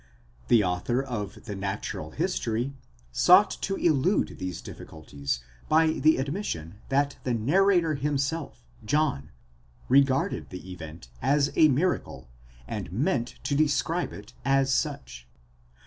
2® The author of the Natural History sought to elude these difficulties by the admission, that the narrator himself, John, regarded the event as a miracle, and meant to describe it as such.